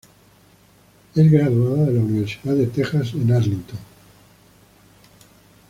Es graduada de la Universidad de Texas en Arlington.